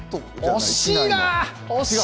惜しいな！